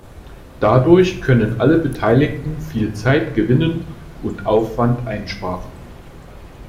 Dadurch können alle Beteiligten viel Zeit gewinnen und Aufwand einsparen.